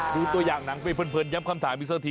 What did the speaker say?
ตัวอย่างหนังไปเพลินย้ำคำถามอีกสักที